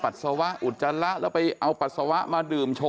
ปัสสาวะอุจจาระแล้วไปเอาปัสสาวะมาดื่มโชว